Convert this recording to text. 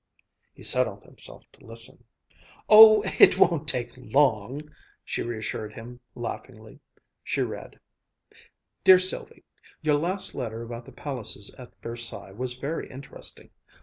He settled himself to listen. "Oh, it won't take long!" she reassured him laughingly. She read: "'DEAR SYLVIE: Your last letter about the palaces at Versailles was very interesting.